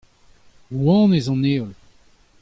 Rouanez an heol.